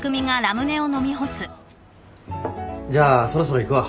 じゃあそろそろ行くわ。